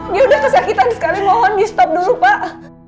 dia udah kesakitan sekali mohon di stop dulu pak